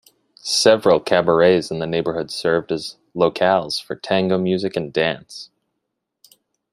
Several cabarets in the neighborhood served as locales for tango music and dance.